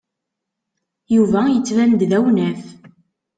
Yuba yettban-d d awnaf.